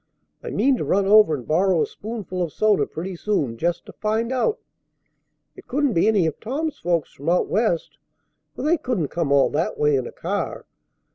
I mean to run over and borrow a spoonful of soda pretty soon, just to find out. It couldn't be any of Tom's folks from out West, for they couldn't come all that way in a car.